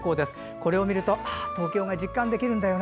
これを見るとああ、東京が実感できるんだよな。